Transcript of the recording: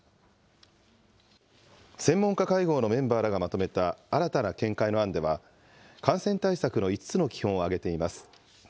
専門家会合のメンバーらがまとめた新たな見解の案では、感染対策の５つの基本を挙げています。